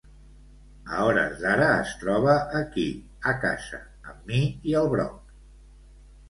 A hores d'ara es troba aquí a casa amb mi i el Brock.